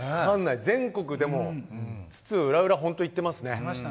全国津々浦々、本当に行ってますね。